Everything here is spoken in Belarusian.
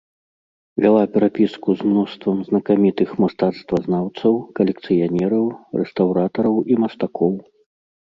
Вяла перапіску з мноствам знакамітых мастацтвазнаўцаў, калекцыянераў, рэстаўратараў і мастакоў.